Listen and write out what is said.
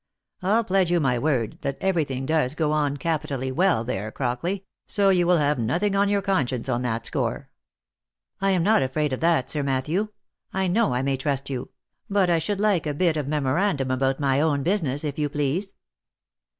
I'll pledge you my word that every thing does go on capitally well there, Crockley, so you will have nothing on your conscience on that score." " I am not afraid of that, Sir Matthew; I know I may trust you. But I should like a bit of a memorandum about my own business, if you please."